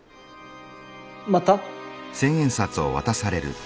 また？